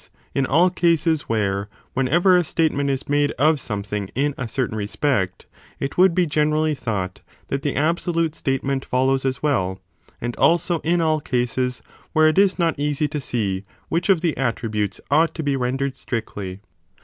in all cases where, whenever a statement is made of something in a certain respect, it would be gener 15 ally thought that the absolute statement follows as well; and also in all cases where it is not easy to see which of the attributes ought to be rendered strictly.